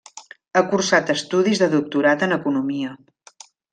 Ha cursat estudis de doctorat en economia.